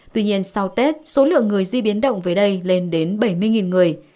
tuy nhiên sau tết số lượng người di biến động về đây lên đến bảy mươi người